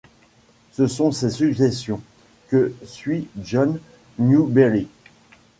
Ce sont ces suggestions que suit John Newbery.